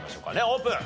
オープン！